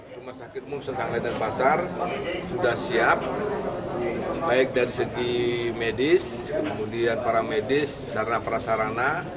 rumah sakit umum sangkalai dan pasar sudah siap baik dari segi medis kemudian para medis sarana prasarana